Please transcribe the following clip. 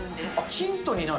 ヒントになる？